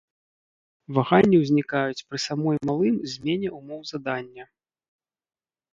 Ваганні ўзнікаюць пры самой малым змене ўмоў задання.